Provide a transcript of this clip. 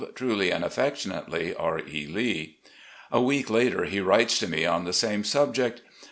" Truly and affectionately, "R. E. Lee." A week later he writes to me on the same subject